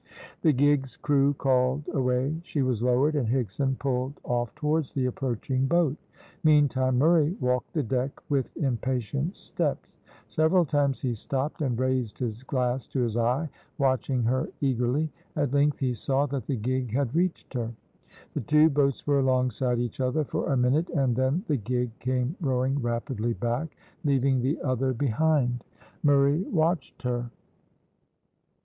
The gig's crew called away she was lowered, and Higson pulled off towards the approaching boat. Meantime, Murray walked the deck with impatient steps. Several times he stopped, and raised his glass to his eye, watching her eagerly. At length he saw that the gig had reached her. The two boats were alongside each other for a minute, and then the gig came rowing rapidly back, leaving the other behind. Murray watched her.